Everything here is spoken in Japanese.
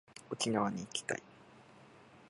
沖縄に行きたい